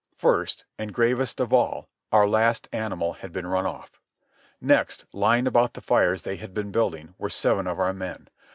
First, and gravest of all, our last animal had been run off. Next, lying about the fires they had been building, were seven of our men.